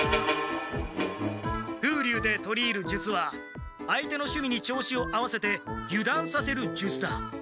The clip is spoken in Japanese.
「風流で取り入る術」は相手のしゅみに調子を合わせてゆだんさせる術だ。